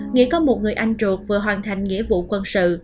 nghĩ có một người anh ruột vừa hoàn thành nghĩa vụ quân sự